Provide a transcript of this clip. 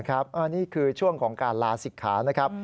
อันนี้คือช่วงของการลาศิกขานะครับ